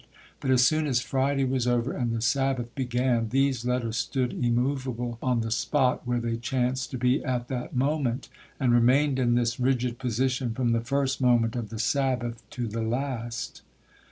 But as soon as Friday was over and the Sabbath began, these letters stood immovable on the spot where they chanced to be at that moment, and remained in this rigid position from the first moment of the Sabbath to the last.